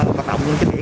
hoạt động trên biển